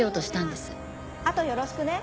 あとよろしくね。